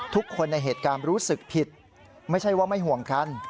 ทุกคนในเหตุการณ์รู้สึกผิดไม่ใช่ว่าไม่ห่วงกัน